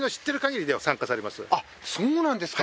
そうなんですか！